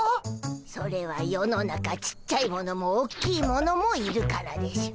それは世の中ちっちゃいものもおっきいものもいるからでしゅ。